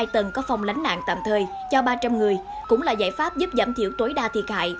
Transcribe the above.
hai tầng có phòng lánh nạn tạm thời cho ba trăm linh người cũng là giải pháp giúp giảm thiểu tối đa thiệt hại